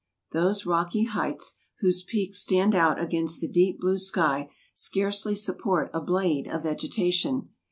Those rocky heights, whose peaks stand out against the deep blue sky, scarcely support a blade of vegetation.